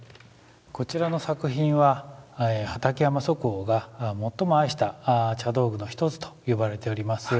こちらの作品は畠山即翁がもっとも愛した茶道具のひとつと呼ばれております。